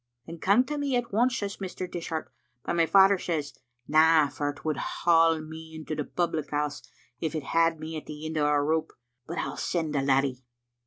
' *Then come to me at once,' says Mr. Dishart; but my father says, *Na, for it would haul me into the public house as if it had me at the end o' a rope, but I'll send the laddie.'